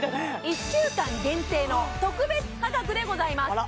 １週間限定の特別価格でございます